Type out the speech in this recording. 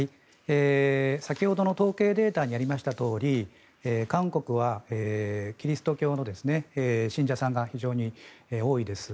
先ほどの統計データにありましたとおり韓国はキリスト教の信者さんが非常に多いです。